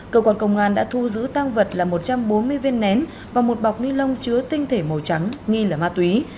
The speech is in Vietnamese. cơ quan công an đã thu giữ tăng vật là một trăm bốn mươi viên nén và một bọc ni lông chứa tinh thể màu trắng nghi là ma túy